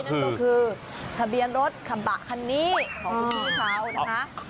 ก็คือทะเบียนรถกระบะคันนี้ของพี่เขานะคะ